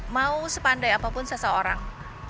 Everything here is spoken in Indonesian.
mau sepandai apapun seseorang